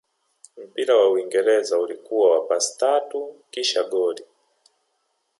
mpira wa uingereza ulikuwa wa pasi tatu kisha goli